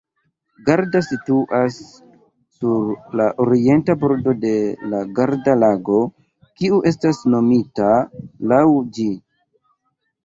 Garda situas sur la orienta bordo de la Garda-Lago, kiu estas nomita laŭ ĝi.